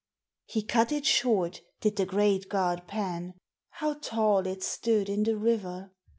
He cut it short, did the great god Pan, (How tall it stood in the river